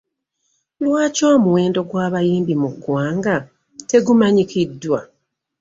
Lwaki omuwendo gw'abayimbi mu ggwanga tegumanyikidwa?